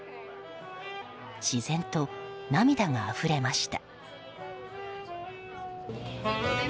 自然と涙があふれました。